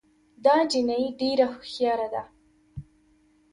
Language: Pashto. دا جینۍ ډېره هوښیاره ده